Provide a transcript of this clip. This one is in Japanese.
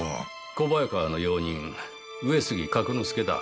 小早川の用人上杉角之助だ。